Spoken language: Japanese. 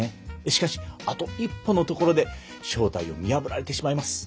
しかしあと一歩のところで正体を見破られてしまいます。